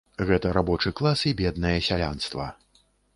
Гэта рабочы клас і беднае сялянства.